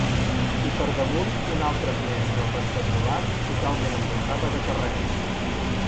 I per damunt una altra finestra rectangular totalment envoltada de carreus.